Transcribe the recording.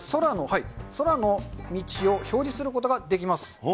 空の道を表示することができます。